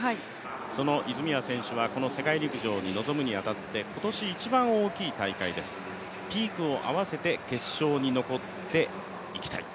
その泉谷選手はこの世界陸上に臨むに当たって今年一番大きい大会です、ピークを合わせて決勝に残っていきたい。